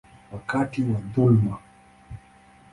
wakati wa dhuluma.